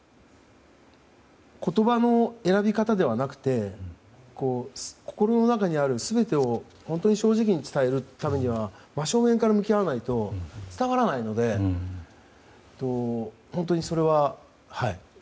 言葉の選び方ではなくて心の中にある全てを本当に正直に伝えるためには真正面から向き合わないと伝わらないので本当に、それは。